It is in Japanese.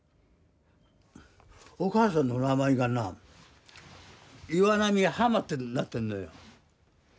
お母さんの名前がな岩波ハマってなってんのよ。